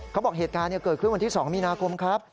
เขาบอกเหตุการณ์เกิดขึ้นวันที่๒มีนาคมครับ